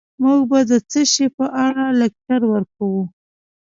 موږ به د څه شي په اړه لکچر ورکوو